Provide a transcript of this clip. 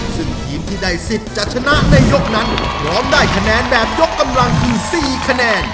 ซึ่งทีมที่ได้สิทธิ์จะชนะในยกนั้นพร้อมได้คะแนนแบบยกกำลังคือ๔คะแนน